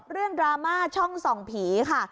เรื่องดราม่าช่องส่องผีค่ะ